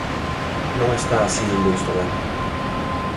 Non está así indo isto ben.